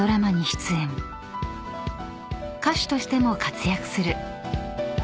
［歌手としても活躍する］